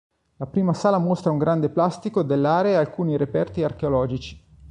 La prima sala mostra un grande plastico dell'area e alcuni reperti archeologici.